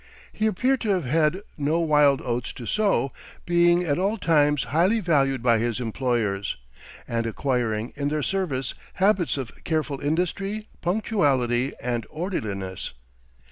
He appeared to have had no "wild oats" to sow, being at all times highly valued by his employers, and acquiring in their service habits of careful industry, punctuality, and orderliness.